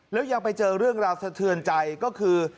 แล้วยังไปเจอเรื่องราวสะเทือนใจก็คือ